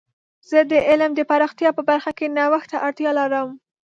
زه د علم د پراختیا په برخه کې نوښت ته اړتیا لرم.